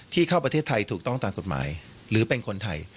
เข้าประเทศไทยถูกต้องตามกฎหมายหรือเป็นคนไทย